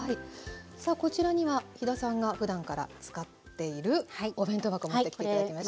さあこちらには飛田さんがふだんから使っているお弁当箱持ってきて頂きました。